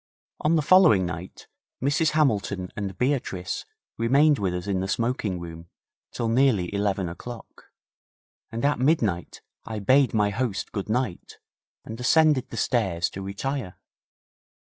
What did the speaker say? On the following night Mrs Hamilton and Beatrice remained with us in the smoking room till nearly eleven o'clock, and at midnight I bade my host good night, and ascended the stairs to retire.